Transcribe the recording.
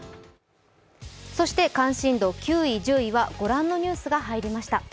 関心度９位、１０位はご覧のニュースが入りました。